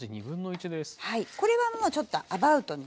これはもうちょっとアバウトに。